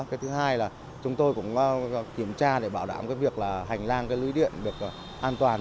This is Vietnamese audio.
cái thứ hai là chúng tôi cũng kiểm tra để bảo đảm cái việc là hành lang cái lưới điện được an toàn